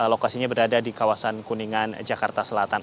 lokasinya berada di kawasan kuningan jakarta selatan